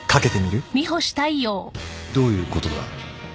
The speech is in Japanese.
どういうことだ？